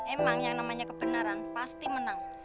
emang yang namanya kebenaran pasti menang